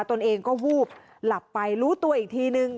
ตัวเองก็วูบหลับไปรู้ตัวอีกทีนึง